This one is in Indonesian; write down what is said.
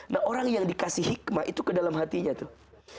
nah orang yang dikasih hikmah itu ke dalam hatinya tuh